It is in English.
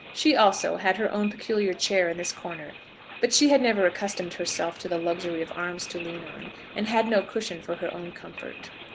She also had her own peculiar chair in this corner, but she had never accustomed herself to the luxury of arms to lean on, and had no cushion for her own comfort.